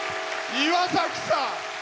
岩崎さん！